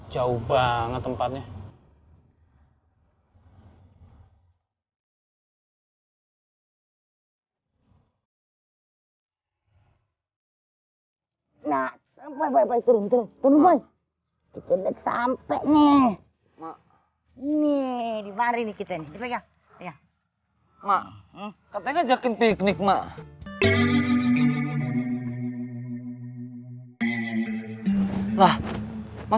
jauh banget tempatnya